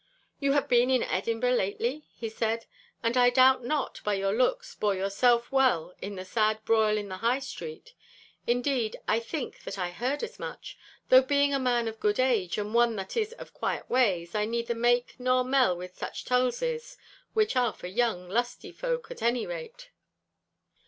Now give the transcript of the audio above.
'You have been in Edinburgh lately?' he said. 'And I doubt not, by your looks, bore yourself well in the sad broil in the High Street. Indeed, I think that I heard as much. Though being a man of good age, and one that is of quiet ways, I neither make nor mell with such tulzies, which are for young, lusty folk at any rate.